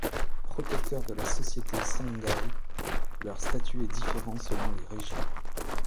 Protecteurs de la société songhai, leur statut est différent selon les régions.